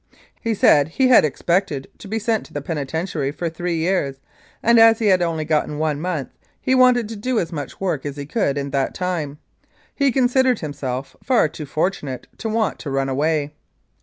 He said he had expected to be sent to the penitentiary for three years, and as he had only got one month he wanted to do as much work as he could in that time. He considered himself far too fortunate to want to run away.